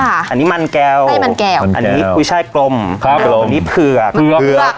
อันนี้มันแก้วใช่มันแก้วอันนี้กุ้ยช่ายกลมครับอันนี้เผือกเผือก